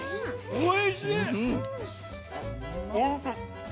おいしい！